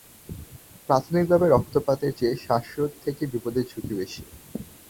প্রাথমিকভাবে রক্তপাতের চেয়ে শ্বাসরোধ থেকেই বিপদের ঝুঁকি বেশি।